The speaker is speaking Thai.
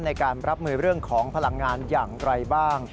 ในการรับมือเรื่องของพลังงานอย่างไรบ้าง